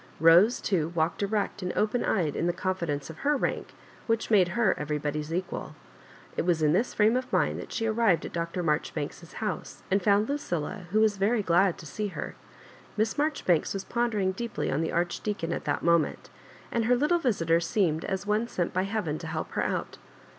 Bose, too, walked erect and open eyed in the confidence of her rank, which made her everybody's equal It was in this fi ame of mind that she arrived at Br. Marjoribanks's house, and found Lucilla, who was very glad to see her. Miss Marjori banks was pondering deeply on the Archdea con at that moment, and her little visitor seemed as one sent by heaven to help her out.